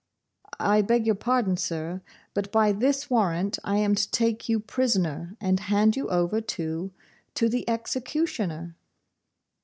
'I beg your pardon, sir, but by this warrant I am to take you prisoner, and hand you over to to the executioner.